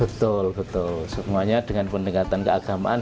betul betul semuanya dengan pendekatan keagamaan